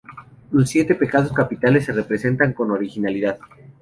Los siete pecados capitales se representan con originalidad.